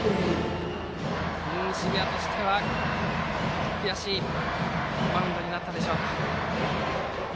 澁谷としては悔しいマウンドになったでしょうか。